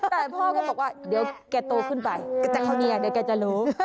แต่พ่อก็บอกว่าเดี๋ยวแกโตขึ้นไปแต่คราวนี้เดี๋ยวแกจะรู้